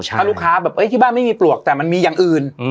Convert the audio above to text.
ถ้าลูกค้าแบบที่บ้านไม่มีปลวกแต่มันมีอย่างอื่น